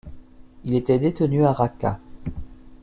Il était détenu à Raqqa.